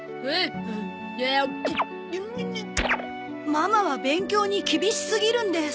ママは勉強に厳しすぎるんです。